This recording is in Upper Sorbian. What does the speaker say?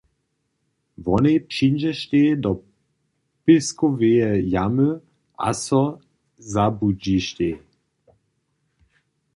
Wonej přińdźeštej do pěskoweje jamy a so zabłudźištej.